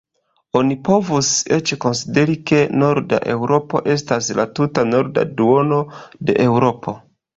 Oni povus eĉ konsideri, ke norda Eŭropo estas la tuta norda duono de Eŭropo.